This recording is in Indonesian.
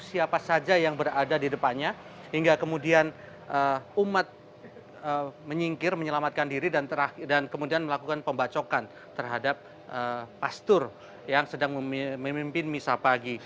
siapa saja yang berada di depannya hingga kemudian umat menyingkir menyelamatkan diri dan kemudian melakukan pembacokan terhadap pastur yang sedang memimpin misa pagi